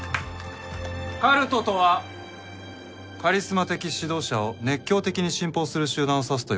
カルトとはカリスマ的指導者を熱狂的に信奉する集団を指すといわれています。